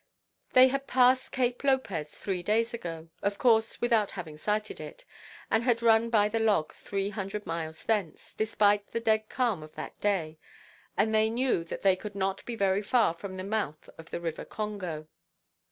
They had passed Cape Lopez three days ago, of course without having sighted it, and had run by the log three hundred miles thence, despite the dead calm of that day. So they knew that they could not be very far from the mouth of the river Congo.